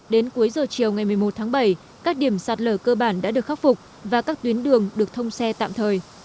đến cuối giờ chiều ngày một mươi một tháng bảy các điểm sạt lở cơ bản đã được khắc phục và các tuyến đường được thông xe tạm thời